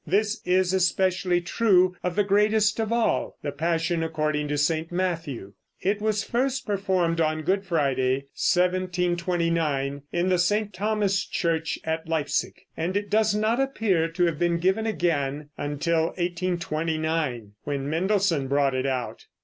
This is especially true of the greatest of all, the Passion according to St. Matthew. It was first performed on Good Friday, 1729, in the St. Thomas church at Leipsic, and it does not appear to have been given again until 1829, when Mendelssohn brought it out.